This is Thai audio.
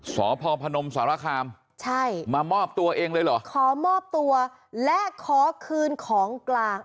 สพพนมสารคามใช่มามอบตัวเองเลยเหรอขอมอบตัวและขอคืนของกลาง